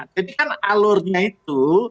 jadi kan alurnya itu